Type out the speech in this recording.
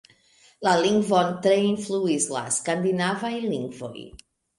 La lingvon tre influis la skandinavaj lingvoj.